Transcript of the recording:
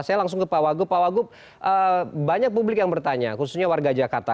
saya langsung ke pak wagup pak wagub banyak publik yang bertanya khususnya warga jakarta